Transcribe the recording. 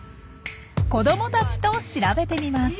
子どもたちと調べてみます。